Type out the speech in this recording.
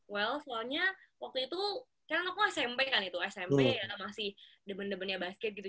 well soalnya waktu itu kan aku smp kan itu smp ya masih demen demennya basket gitu